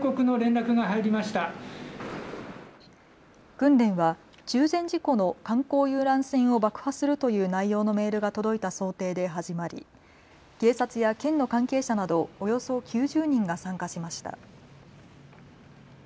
訓練は中禅寺湖の観光遊覧船を爆破するという内容のメールが届いた想定で始まり警察や県の関係者などおよそ９０人が参加しました。